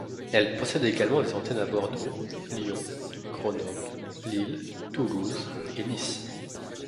Elle possède également des antennes à Bordeaux, Lyon, Grenoble, Lille, Toulouse et Nice.